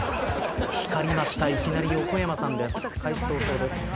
いきなり横山さんです。